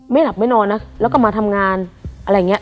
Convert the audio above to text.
หลับไม่นอนนะแล้วก็มาทำงานอะไรอย่างนี้